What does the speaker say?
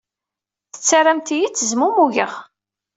Tettarramt-iyi ttezmumugeɣ.